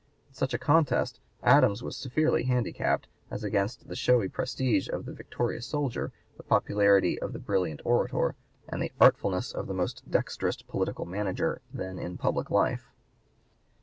In such a contest Adams was severely handicapped as against the showy prestige of the victorious soldier, the popularity of the brilliant orator, and the artfulness of the most dexterous political manager then in public life.